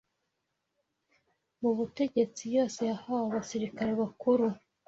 mu butegetsi yose yahawe abasirikare bakuru